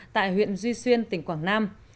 tại huyện duy xuyên tỉnh quảng nam